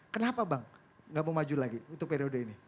kenapa bang gak mau maju lagi untuk periode ini